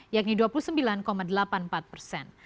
yakni dua puluh sembilan delapan puluh empat persen